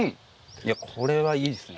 いやこれはいいですね。